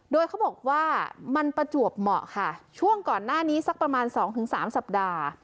โดยเขาบอกว่ามันประจวบเหมาะค่ะช่วงก่อนหน้านี้สักประมาณ๒๓สัปดาห์